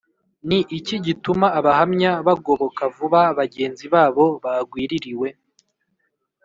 Ni iki gituma Abahamya bagoboka vuba bagenzi babo bagwiririwe